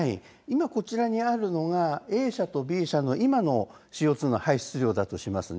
こちらがＡ社とＢ社の今のＣＯ２の排出量だとします。